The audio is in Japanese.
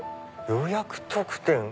予約特典？